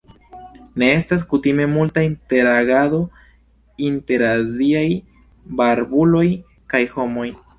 Ne estas kutime multa interagado inter aziaj barbuloj kaj homoj.